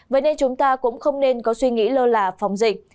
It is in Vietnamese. vậy nên chúng ta cũng không nên có suy nghĩ lơ là phòng dịch